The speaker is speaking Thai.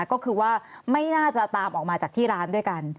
ก็คือว่าไม่น่าจะตามออกมาจากที่ร้านด้วยกัน